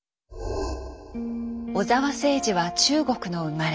小澤征爾は中国の生まれ。